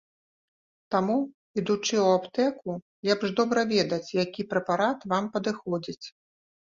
Таму, ідучы ў аптэку, лепш добра ведаць, які прэпарат вам падыходзіць.